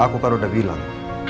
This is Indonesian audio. aku kan udah bilang